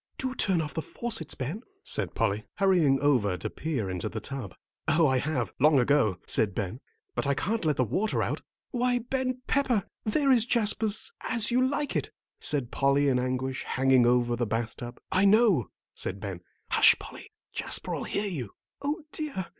"Do turn off the faucets, Ben," said Polly, hurrying over to peer into the tub. "Oh, I have, long ago," said Ben, "but I can't let the water out." "Why, Ben Pepper, there is Jasper's 'As You Like It,'" said Polly, in anguish, hanging over the bath tub. "I know it," said Ben. "Hush, Polly, Jasper'll hear you." "O dear!